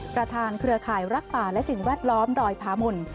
เครือข่ายรักป่าและสิ่งแวดล้อมดอยพาหุ่น